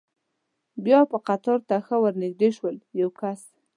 بیا به قطار ته ښه ور نږدې شول، د یو کس.